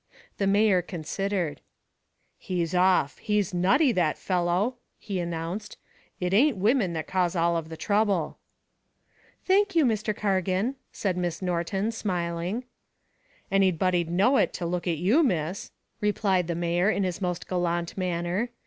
The mayor considered. "He's off he's nutty, that fellow," he announced. "It ain't women that cause all of the trouble." "Thank you, Mr. Cargan," said Miss Norton, smiling. "Anybody'd know it to look at you, miss," replied the mayor in his most gallant manner.